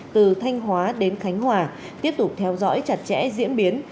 từ thanh hóa đến khánh hòa tiếp tục theo dõi chặt chẽ diễn biến